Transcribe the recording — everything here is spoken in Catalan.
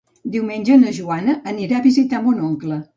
Diumenge na Joana anirà a visitar mon oncle.